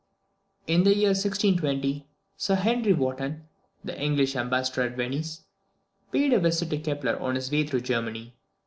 In the year 1620, Sir Henry Wotton, the English ambassador at Venice, paid a visit to Kepler on his way through Germany.